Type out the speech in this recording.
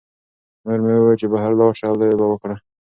مور مې وویل چې بهر لاړ شه او لوبه وکړه.